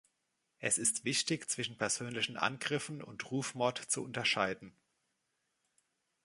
Es ist wichtig, zwischen persönlichen Angriffen und Rufmord zu unterscheiden.